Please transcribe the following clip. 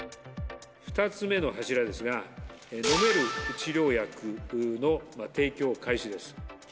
２つ目の柱ですが、飲める治療薬の提供開始です。